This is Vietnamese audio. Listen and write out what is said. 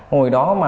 hồi đó mà